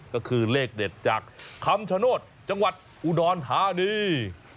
ก็คือเลขเด็ดจากคำชโนธจังหวัดอุดรธานี